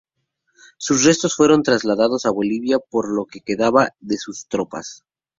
Sus restos fueron trasladados a Bolivia por lo que quedaba de sus tropas.